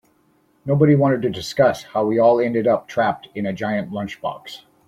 Nobody wanted to discuss how we all ended up trapped in a giant lunchbox.